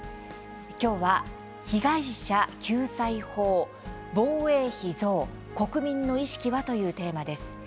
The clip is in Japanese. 今日は「被害者救済法防衛費増国民の意識は」というテーマです。